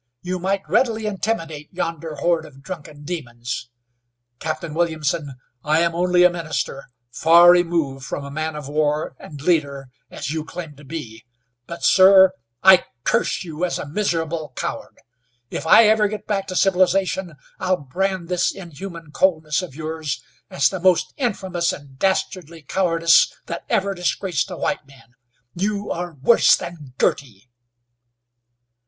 You might readily intimidate yonder horde of drunken demons. Captain Williamson, I am only a minister, far removed from a man of war and leader, as you claim to be, but, sir, I curse you as a miserable coward. If I ever get back to civilization I'll brand this inhuman coldness of yours, as the most infamous and dastardly cowardice that ever disgraced a white man. You are worse than Girty!"